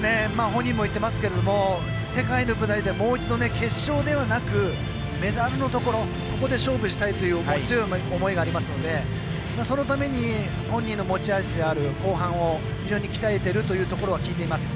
本人も言ってますけども世界の舞台で、もう一度決勝ではなくメダルのところここで勝負したいという強い思いがありますのでそのために本人の持ち味である後半を非常に鍛えてるというところは聞いています。